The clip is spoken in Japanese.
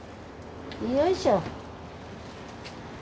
よいしょ。